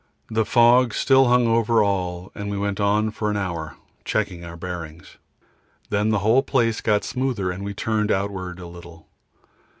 The fog still hung over all and we went on for an hour, checking our bearings. Then the whole place got smoother and we turned outward a little.